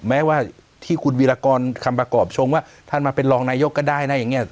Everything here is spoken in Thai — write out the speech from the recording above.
แม้ว่าที่คุณวิรากรคำประกอบชงว่าท่านมาเป็นรองนายกก็ได้นะอย่างนี้